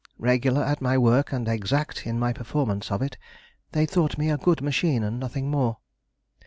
Regular at my work and exact in my performance of it, they thought me a good machine and nothing more.